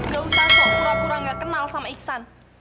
gak usah kok pura pura gak kenal sama iksan